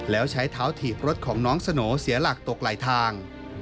แล้วใช้เท้าถีบรถของน้องสโหน่เสียหลักตกไหลทาง